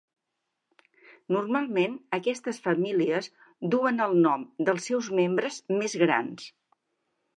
Normalment aquestes famílies duen el nom dels seus membres més grans.